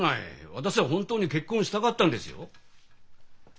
私は本当に結婚したかったんですよ。